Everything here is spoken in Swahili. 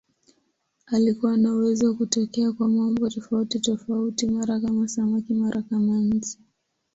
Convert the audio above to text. Alikuwa na uwezo wa kutokea kwa maumbo tofautitofauti, mara kama samaki, mara kama nzi.